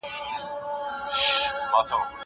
زه پرون بازار ته ولاړم!!